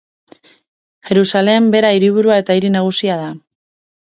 Jerusalem bera hiriburua eta hiri nagusia da.